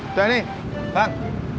udah nih bang